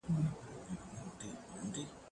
زه به اوږده موده بازار ته تللی وم،